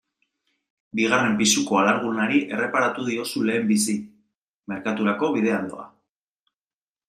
Bigarren pisuko alargunari erreparatu diozu lehenbizi, merkaturako bidean doa.